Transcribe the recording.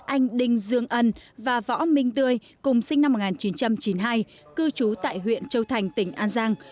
anh đinh dương ân và võ minh tươi cùng sinh năm một nghìn chín trăm chín mươi hai cư trú tại huyện châu thành tỉnh an giang